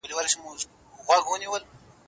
راتلونکی حکومت به د بشري حقوقو درناوی وکړي.